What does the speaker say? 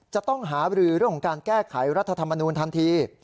จะต้องหาบรือเรื่องของการแก้ไขรัฐธรรมนูลทันที